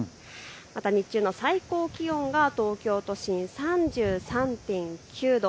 また日中の最高気温が東京都心３３．９度。